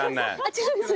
違うんです